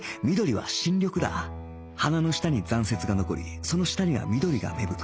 花の下に残雪が残りその下には緑が芽吹く